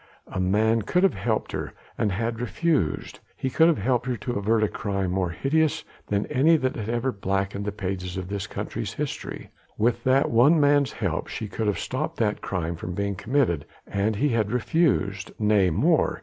A man could have helped her and had refused: he could have helped her to avert a crime more hideous than any that had ever blackened the pages of this country's history. With that one man's help she could have stopped that crime from being committed and he had refused ... nay more!